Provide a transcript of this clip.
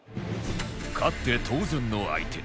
勝って当然の相手